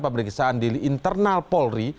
pemeriksaan di internal polri